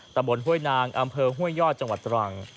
ตำบลห้วยนางอำเภอห้วยยอดจังหวัดตรัง